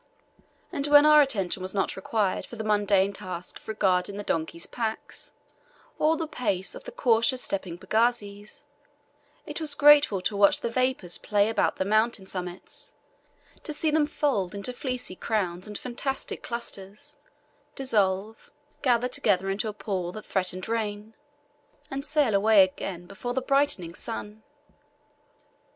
And when our attention was not required for the mundane task of regarding the donkeys' packs, or the pace of the cautious stepping pagazis, it was gratifying to watch the vapours play about the mountain summits to see them fold into fleecy crowns and fantastic clusters, dissolve, gather together into a pall that threatened rain, and sail away again before the brightening sun.